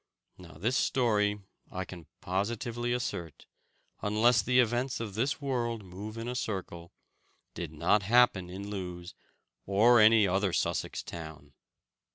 Now, this story, I can positively assert, unless the events of this world move in a circle, did not happen in Lewes, or any other Sussex town.